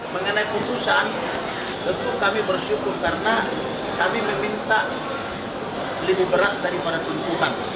mengenai putusan tentu kami bersyukur karena kami meminta lebih berat daripada tuntutan